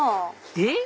えっ？